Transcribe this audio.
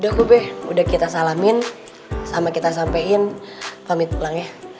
udah gu be udah kita salamin sama kita sampein pamit pulang ya